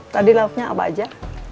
tadi lauknya apa aja